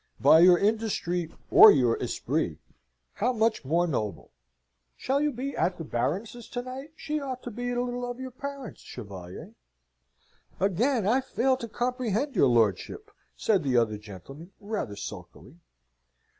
"By your industry or your esprit, how much more noble! Shall you be at the Baroness's to night? She ought to be a little of your parents, Chevalier?" "Again I fail to comprehend your lordship," said the other gentleman, rather sulkily.